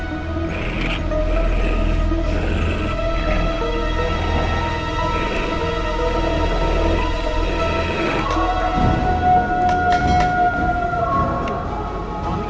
kalau aku cari makanan sendiri